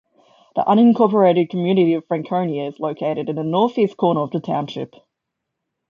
The unincorporated community of Franconia is located in the northeast corner of the township.